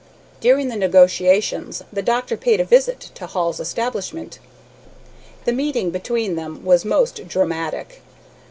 During the negotiations the doctor paid a visit to Hall's establishment. The meeting between them was most dramatic.